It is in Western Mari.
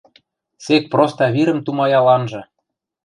— Сек проста вирӹм тумаял анжы: